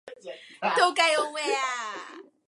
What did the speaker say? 東海オンエア